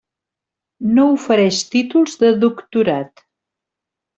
No ofereix títols de doctorat.